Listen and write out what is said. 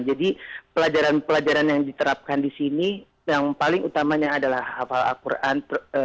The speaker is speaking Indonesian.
jadi pelajaran pelajaran yang diterapkan di sini yang paling utamanya adalah hafal al qur'an